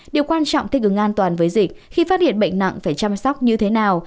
điều quan trọng thích ứng an toàn với dịch khi phát hiện bệnh nặng phải chăm sóc như thế nào